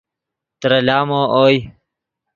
ترے لامو اوئے